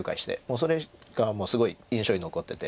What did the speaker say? それがすごい印象に残ってて。